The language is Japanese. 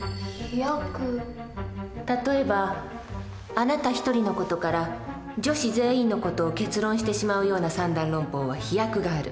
例えばあなた一人の事から女子全員の事を結論してしまうような三段論法は飛躍がある。